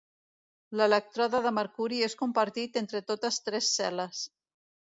L'elèctrode de mercuri és compartit entre totes tres cel·les.